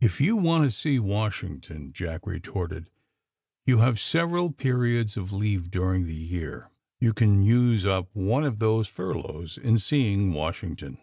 If yon want to see Washington," Jack re torted, *^you have several periods of leave dur ing the year. Yon can nse np one of those fur loughs in seeing Washington."